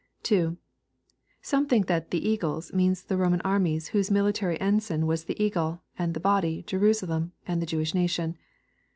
2. Some think that " the eagles" mean the Roman armies, whose military ensign was the eagle, and *' the body," Jerusalem and the Jewish nation.